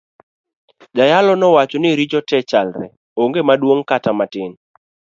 Jayalo nowacho ni richo te chalre onge maduong kata matin.